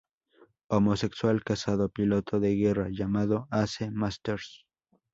Homosexual, casado, piloto de guerra llamado Ace Masters.